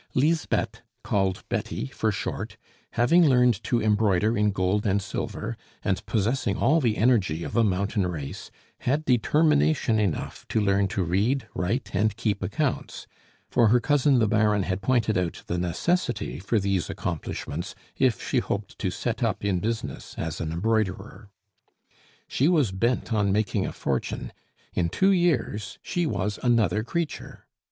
Lisbeth, called Betty for short, having learned to embroider in gold and silver, and possessing all the energy of a mountain race, had determination enough to learn to read, write, and keep accounts; for her cousin the Baron had pointed out the necessity for these accomplishments if she hoped to set up in business as an embroiderer. She was bent on making a fortune; in two years she was another creature.